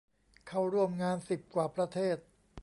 เข้าร่วมงานสิบกว่าประเทศ